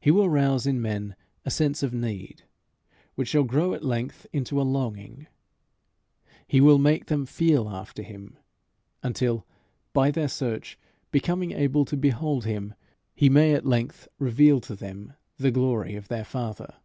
He will rouse in men a sense of need, which shall grow at length into a longing; he will make them feel after him, until by their search becoming able to behold him, he may at length reveal to them the glory of their Father.